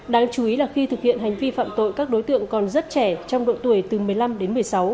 đáng chú ý là khi thực hiện hành vi phạm tội các đối tượng còn rất trẻ trong độ tuổi từ một mươi năm đến một mươi sáu